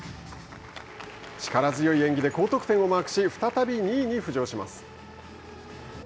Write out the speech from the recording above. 力強い演技で高得点をマークし再び２位に浮上します。